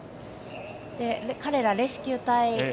彼ら、レスキュー隊。